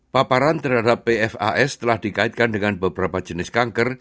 paparan terhadap pfas telah dikaitkan dengan beberapa jenis kanker